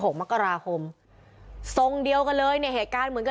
หกมกราคมทรงเดียวกันเลยเนี่ยเหตุการณ์เหมือนกับ